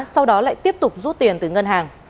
sau đó lại tiếp tục rút tiền từ ngân hàng